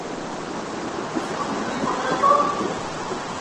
مِسکُو جُھولی پکڑا تو